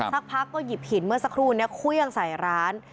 สักพักก็หยิบหินเมื่อสักครู่นี้เครื่องใส่ร้าน